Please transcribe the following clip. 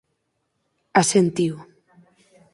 Asentiu.